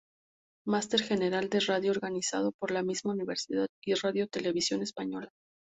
Máster General de Radio organizado por la misma universidad y Radio Televisión Española.